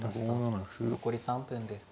残り３分です。